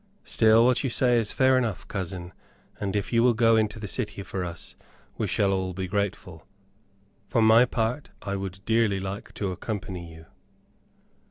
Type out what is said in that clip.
Still, what you say is fair enough, cousin, and if you will go into the city for us we shall all be grateful. For my part, I would dearly like to accompany you."